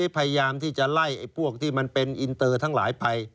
พยายามที่จะไล่พวกที่มันเป็นอินเตอร์ทั้งหลายไป